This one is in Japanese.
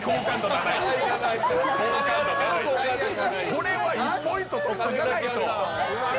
これは１ポイントとっておかないと。